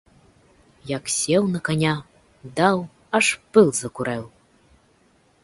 Як сеў на каня, даў, аж пыл закурэў!